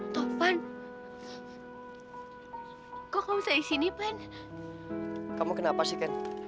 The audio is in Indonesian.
tofan kok bisa di sini pen kamu kenapa sih